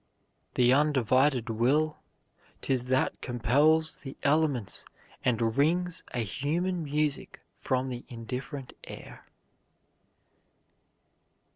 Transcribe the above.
"The undivided will 'T is that compels the elements and wrings A human music from the indifferent air."